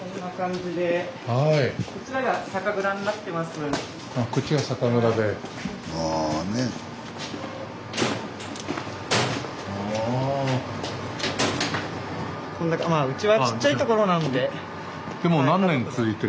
まあうちはちっちゃいところなので。